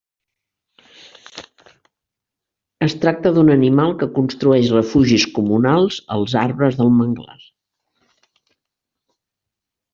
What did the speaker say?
Es tracta d'un animal que construeix refugis comunals als arbres de manglar.